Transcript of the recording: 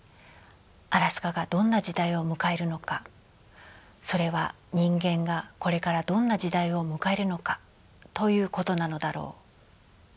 アラスカがどんな時代を迎えるのかそれは人間がこれからどんな時代を迎えるのかということなのだろう」。